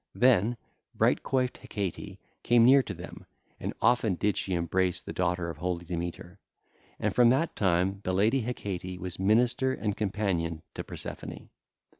(ll. 438 440) Then bright coiffed Hecate came near to them, and often did she embrace the daughter of holy Demeter: and from that time the lady Hecate was minister and companion to Persephone.